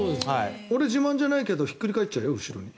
俺、自慢じゃないけどひっくり返っちゃうよ、後ろに。